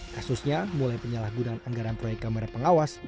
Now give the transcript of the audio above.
kasusnya mulai penyalahgunaan anggaran proyek kamera pengawas